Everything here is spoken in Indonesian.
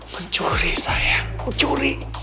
mencuri sayang mencuri